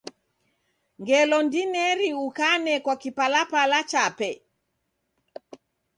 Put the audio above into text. Ngelo ndineri ukanekwa kipalapala chape.